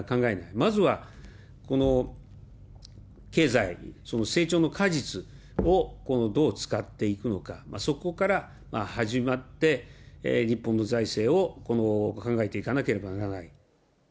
まずはこの経済、成長の果実をどう使っていくのか、そこから始まって、日本の財政を考えていかなければならない。